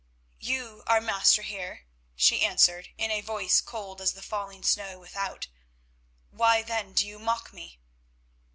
"You are master here," she answered, in a voice cold as the falling snow without, "why then do you mock me?"